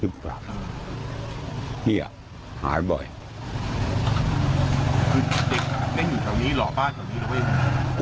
คือเด็กน่ะได้อยู่แถวนี้หรอบ้านแถวนี้หรือเปล่า